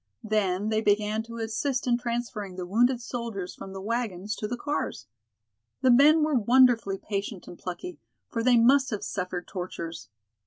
Then they began to assist in transferring the wounded soldiers from the wagons to the cars. The men were wonderfully patient and plucky, for they must have suffered tortures.